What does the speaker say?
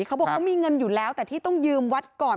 เขาบอกเขามีเงินอยู่แล้วแต่ที่ต้องยืมวัดก่อน